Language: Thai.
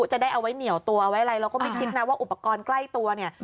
จะได้เอาไว้เหนียวตัวเอาไว้อะไรเราก็ไม่คิดนะว่าอุปกรณ์ใกล้ตัวเนี่ย